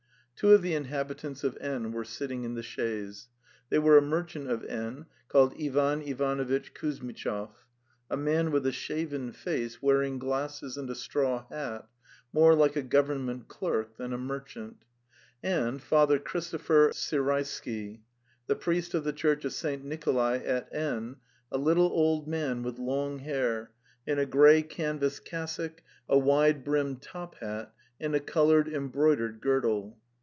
Two of the inhabitants of N. were sitting in the chaise; they were a merchant of N. called Ivan Ivan itch Kuzmitchov, a man with a shaven face wearing glasses and a straw hat, more like a government clerk than a merchant, and Father Christopher Sirey sky, the priest of the Church of St. Nikolay at N., a little old man with long hair, in a grey canvas cas sock, a wide brimmed top hat and a coloured em broidered girdle.